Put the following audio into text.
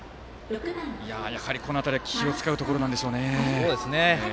やはり、この辺りは気をつけるところなんでしょう。